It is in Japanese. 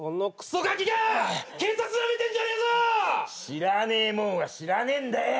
知らねえもんは知らねえんだよ。